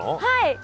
はい。